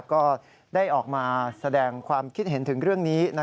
ก็ได้ออกมาแสดงความคิดเห็นถึงเรื่องนี้